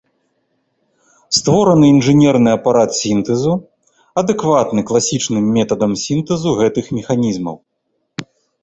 Створаны інжынерны апарат сінтэзу, адэкватны класічным метадам сінтэзу гэтых механізмаў.